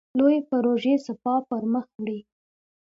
لویې پروژې سپاه پرمخ وړي.